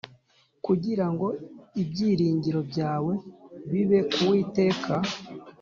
kugira ngo ibyiringiro byawe bibe ku uwiteka